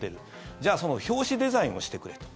じゃあその表紙デザインをしてくれと。